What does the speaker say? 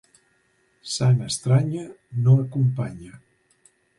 Sang estranya no acompanya.